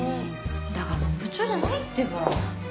だからもう部長じゃないってば。